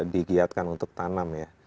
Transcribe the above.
digiatkan untuk tanam